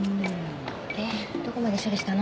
でどこまで処理したの？